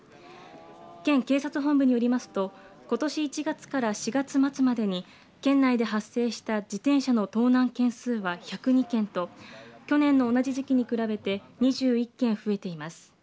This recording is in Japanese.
県警察本部によりますとことし１月から４月末までに県内で発生した自転車の盗難件数は１０２件と去年の同じ時期に比べて２１件増えています。